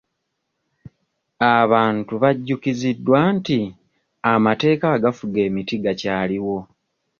Abantu bajjikiziddwa nti amateeka agafuga emiti gakyaliwo.